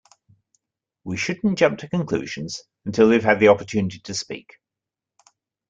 We should not jump to conclusions until they have had the opportunity to speak.